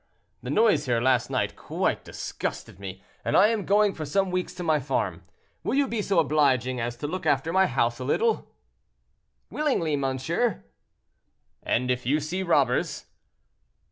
the noise here last night quite disgusted me, and I am going for some weeks to my farm; will you be so obliging as to look after my house a little?" "Willingly, monsieur." "And if you see robbers?"